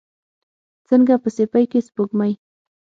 څنګه په سیپۍ کې سپوږمۍ